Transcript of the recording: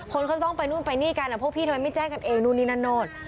คนเขาต้องไปนู่นไปนี่กันพวกพี่ทำไมไม่แจ้งกันเองนู่นนี่นั่นนู่น